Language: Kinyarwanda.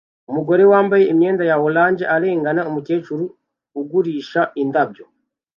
Umugore wambaye imyenda ya orange arengana umukecuru ugurisha indabyo